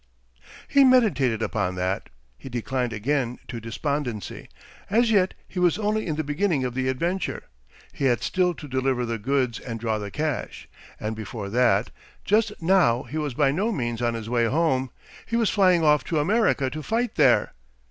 He meditated upon that. He declined again to despondency. As yet he was only in the beginning of the adventure. He had still to deliver the goods and draw the cash. And before that Just now he was by no means on his way home. He was flying off to America to fight there.